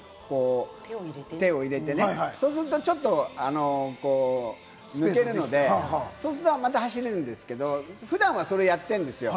手を入れてね、そうするとちょっと、抜けるので、そうするとまた走れるんですけれども、普段はそれやってんですよ。